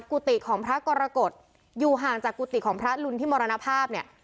กุฏิของพระกรกฎอยู่ห่างจากกุฏิของพระลุนที่มรณภาพเนี่ย